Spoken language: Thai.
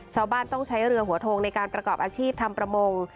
ชาวบ้านต้องใช้เรือหัวโทงในการประกอบอาชีพทำประมง